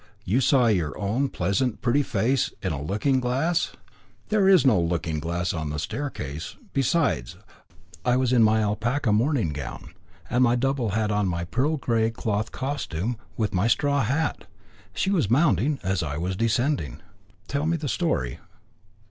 You saw your own pleasant, pretty face in a looking glass." "There is no looking glass on the staircase. Besides, I was in my alpaca morning gown, and my double had on my pearl grey cloth costume, with my straw hat. She was mounting as I was descending." "Tell me the story."